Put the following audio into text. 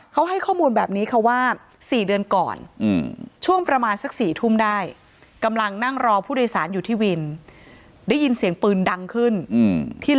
เขาให้ข้อมูลแบบนี้เขาว่า๔เดือนก่อนช่วงประมาณสัก๔ทุ่มได้